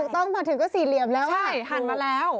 ต้องมาถึงก็สี่เหลี่ยมแล้วถ่ายทันมาแล้ว